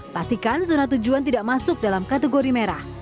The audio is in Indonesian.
pastikan zona tujuan tidak masuk dalam kategori merah